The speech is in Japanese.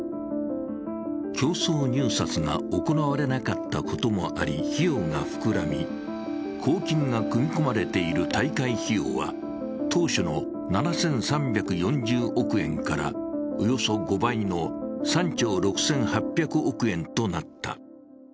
競争入札が行われなかったこともあり費用が膨らみ、公金が組みこまれている大会費用は、当初の７３４０億円からおよそ５倍の３兆６８００億円となった。